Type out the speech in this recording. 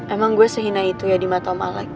emang gue sehinai itu ya di mata om alex